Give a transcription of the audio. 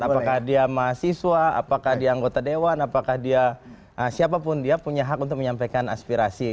apakah dia mahasiswa apakah dia anggota dewan apakah dia siapapun dia punya hak untuk menyampaikan aspirasi